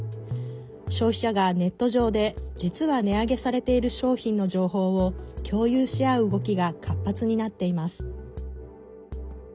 消費者がネット上で、実は値上げされている商品の情報を共有し合う動きが活発になっています。